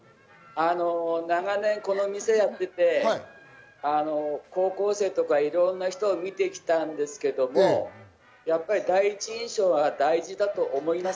長年この店やってて高校生とかいろんな人を見てきたんですけども、やっぱり第一印象は大事だと思います。